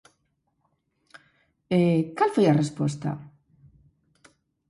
E ¿cal foi a resposta?